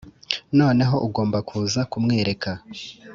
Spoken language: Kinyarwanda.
noneho ugomba kuza kumwereka,